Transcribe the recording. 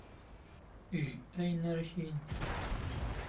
Eg ayen ara ak-yini.